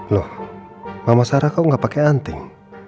loh mama sarah kau nggak pakai anting